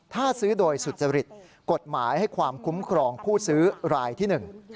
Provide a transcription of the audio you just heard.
ถ้าซื้อโดยสุจริตกฎหมายให้ความคุ้มครองผู้ซื้อรายที่หนึ่ง